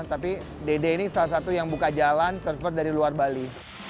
tapi dede ini salah satu yang buka jalan server dari luar bali